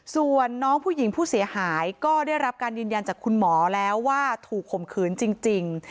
ส่วนน้องผู้หญิงผู้เสียหายก็ได้รับการยืนยันจากคุณหมอแล้วว่าถูกข่มขืนจริง